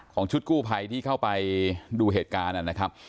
ชุดกู้ภัยที่เข้าไปดูเหตุการณ์นะครับ